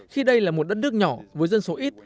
khi đây là một đất nước nhỏ với dân số ít